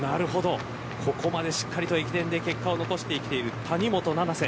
ここまでしっかりと駅伝で結果を残してきている谷本七星。